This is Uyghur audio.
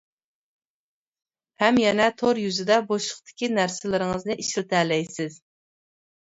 ھەم يەنە تور يۈزىدە بوشلۇقتىكى نەرسىلىرىڭىزنى ئىشلىتەلەيسىز.